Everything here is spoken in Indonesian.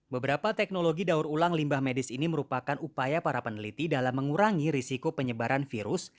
beberapa teknologi daur ulang limbah medis ini merupakan upaya para peneliti dalam mengurangi risiko penyebaran virus